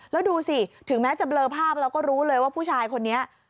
แล้วดูสิถึงแม้จะเลอภาพแล้วก็รู้เลยว่าผู้ชายคนนี้